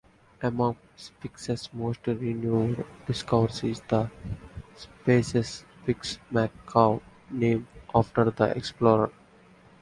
Among Spix's most renowned discoveries is the species Spix's macaw, named after the explorer.